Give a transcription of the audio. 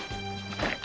はい。